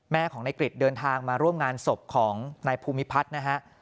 ของนายกริจเดินทางมาร่วมงานศพของนายภูมิพัฒน์นะฮะ